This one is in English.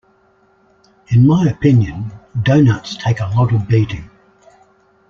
In my opinion, doughnuts take a lot of beating.